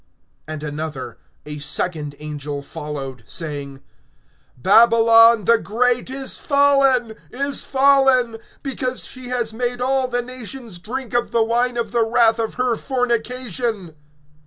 (8)And another, a second angel followed, saying: Babylon the great is fallen, is fallen, because she has made all the nations drink of the wine of the wrath of her fornication.